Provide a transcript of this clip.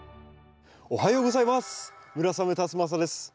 おはようございます。